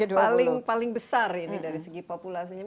paling paling besar ini dari segi populasinya